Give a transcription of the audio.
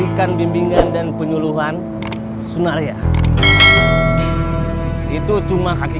ini tersambung dengan latar daftargoshof osara